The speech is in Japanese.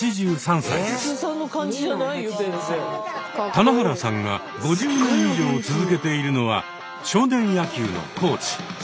棚原さんが５０年以上続けているのは少年野球のコーチ。